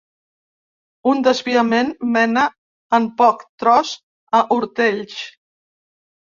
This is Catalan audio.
Un desviament mena en poc tros a Hortells.